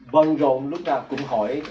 băng rộn lúc nào cũng hỏi